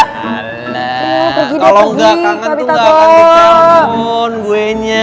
kalau gak kangen tuh gak akan dikawin gue nya